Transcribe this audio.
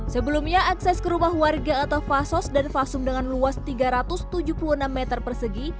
sebelumnya akses ke rumah warga atau fasos dan fasum dengan luas tiga ratus tujuh puluh enam meter persegi